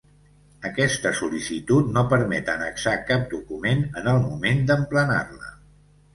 Aquesta sol·licitud no permet annexar cap document en el moment d'emplenar-la.